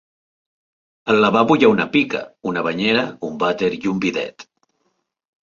Al lavabo hi ha una pica, una banyera, un vàter i un bidet.